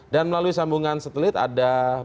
dan melalui sambungan setelit ada bambang